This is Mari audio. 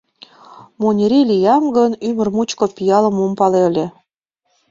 Муньырий лиям гын, ӱмыр мучко пиалым ом пале ыле.